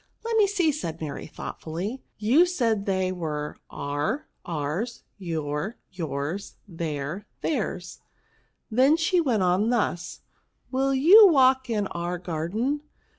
" Let me see," said Mary, thoughtfully ;" you said they were, owr, ours^ your^ yours ^ their^ theirsJ* Then she went on thus :—" Will you walk in our garden